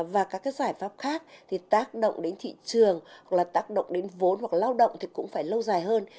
và các giải pháp khác thì tác động đến thị trường tác động đến vốn hoặc lao động thì cũng phải lâu dài hơn